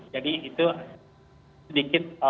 jadi itu sedikit